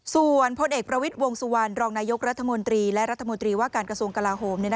ส่วนพลเอกประวิทย์วงสุวรรณรองนายกรัฐมนตรีและรัฐมนตรีว่าการกระทรวงกลาโฮม